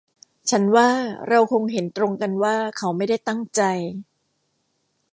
ฉันว่าเราคงเห็นตรงกันว่าเขาไม่ได้ตั้งใจ